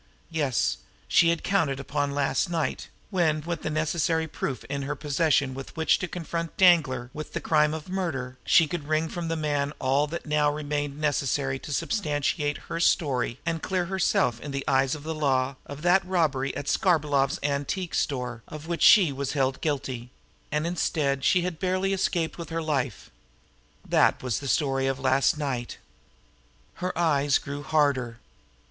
Yes, she had counted upon last night, when, with the necessary proof in her possession with which to confront Danglar with the crime of murder, she could wring from the man all that now remained necessary to substantiate her own story and clear herself in the eyes of the law of that robbery at Skarbolov's antique store of which she was held guilty and instead she had barely escaped with her life. That was the story of last night. Her eyes grew harder.